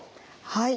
はい。